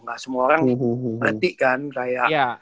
gak semua orang ngerti kan kayak